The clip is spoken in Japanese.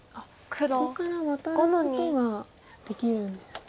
ここからワタることができるんですね。